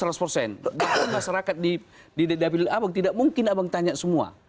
dalam masyarakat di dapil abang tidak mungkin abang tanya semua